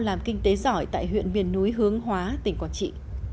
làm kinh tế giỏi tại huyện miền núi hướng hóa tỉnh quảng trị